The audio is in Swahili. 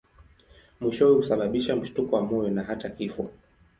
Mwishowe husababisha mshtuko wa moyo na hata kifo.